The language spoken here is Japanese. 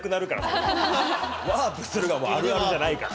ワープするがあるあるじゃないから。